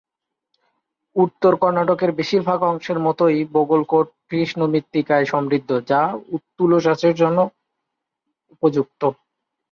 উত্তর কর্ণাটকের বেশিরভাগ অংশের মতই, বাগলকোট কৃষ্ণমৃত্তিকায় সমৃদ্ধ যা তুলো চাষের পক্ষে উপযুক্ত।